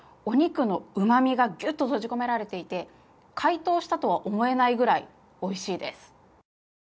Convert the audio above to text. お肉のうまみがギュッと閉じ込められていて解凍したとは思えないぐらいおいしいです。